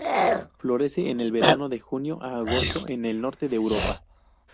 Florece en el verano, de junio a agosto en el norte de Europa.